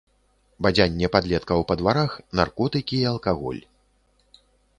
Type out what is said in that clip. Бадзянне падлеткаў па дварах, наркотыкі і алкаголь.